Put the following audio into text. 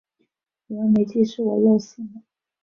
以为没寄，结果是我漏信了